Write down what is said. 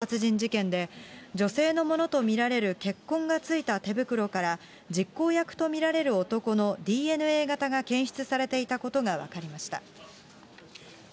東京・狛江市で、９０歳の女性が殺害された強盗殺人事件で、女性のものと見られる血痕がついた手袋から、実行役と見られる男のＤＮＡ型が検出されていたことが分かりました。